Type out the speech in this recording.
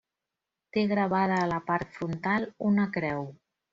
Té gravada a la part frontal una creu.